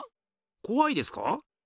こわいですか？